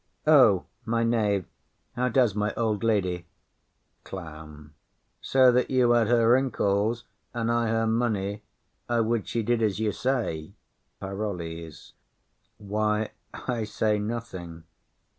O, my knave how does my old lady? CLOWN. So that you had her wrinkles and I her money, I would she did as you say. PAROLLES. Why, I say nothing.